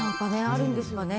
あるんですかね。